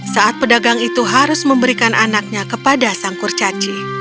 saat pedagang itu harus memberikan anaknya kepada sang kurcaci